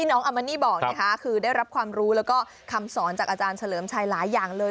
น้องอามานี่บอกนะคะคือได้รับความรู้แล้วก็คำสอนจากอาจารย์เฉลิมชัยหลายอย่างเลย